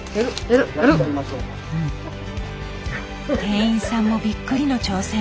店員さんもびっくりの挑戦。